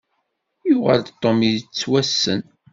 Yuɣal Tom yettwassen.